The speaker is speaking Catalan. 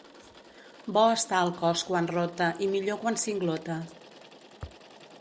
Bo està el cos quan rota, i millor quan singlota.